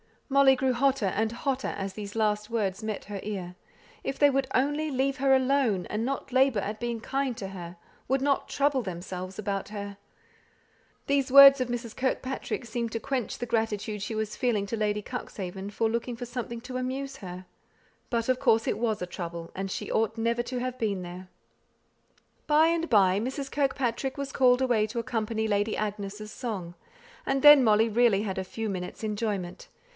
Molly grew hotter and hotter as these last words met her ear. If they would only leave her alone, and not labour at being kind to her; would "not trouble themselves" about her! These words of Mrs. Kirkpatrick's seemed to quench the gratitude she was feeling to Lady Cuxhaven for looking for something to amuse her. But, of course, it was a trouble, and she ought never to have been there. By and by, Mrs. Kirkpatrick was called away to accompany Lady Agnes' song; and then Molly really had a few minutes' enjoyment.